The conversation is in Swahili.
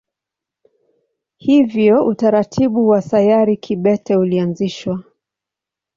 Hivyo utaratibu wa sayari kibete ulianzishwa.